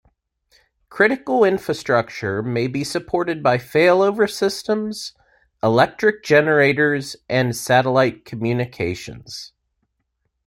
Critical infrastructure may be supported by failover systems, electric generators, and satellite communications.